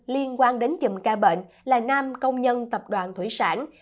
liên quan đến chùm ca bệnh là nam công nhân tập đoàn thủy sản